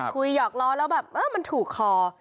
หยอกล้อแล้วแบบเออมันถูกคอ